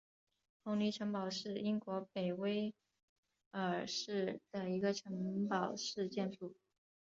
彭林城堡是英国北威尔士的一个城堡式建筑。